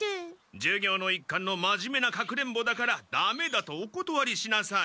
授業の一環の真面目な隠れんぼだからダメだとおことわりしなさい。